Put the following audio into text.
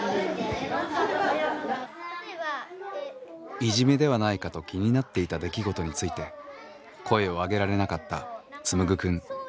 いじめではないかと気になっていた出来事について声を上げられなかったつむぐくん。